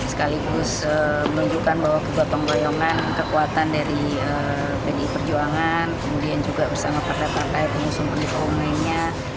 sekaligus menunjukkan bahwa kekuatan penggoyongan kekuatan dari pdi perjuangan kemudian juga bersama partai partai penyusun penyusun umumnya